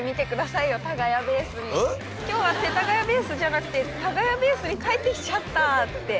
今日は世田谷ベースじゃなくて多賀谷ベースに帰ってきちゃったって。